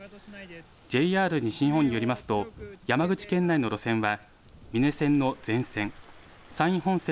ＪＲ西日本によりますと山口県内の路線は美祢線の全線